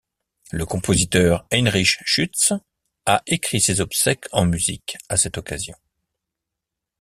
Le compositeur Heinrich Schütz a écrit ses obsèques en musique à cette occasion.